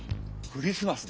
「クリシマス」。